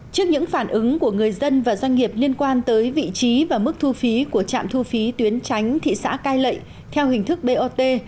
trước những phản ứng của người dân và doanh nghiệp liên quan tới vị trí và mức thu phí của trạm thu phí tuyến tránh thị xã cai lệ theo hình thức bot